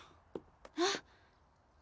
あっ！